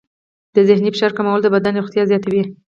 د ذهني فشار کمول د بدن روغتیا زیاتوي.